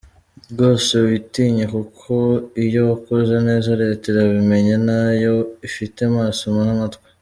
Rwose witinya kuko iyo wakoze neza leta irabimenya nayo ifite amaso n’amatwi.